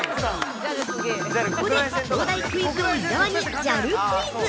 ◆ここで、東大クイズ王・伊沢にＪＡＬクイズ。